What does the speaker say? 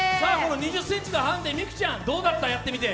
２０ｃｍのハンデどうだった、やってみて？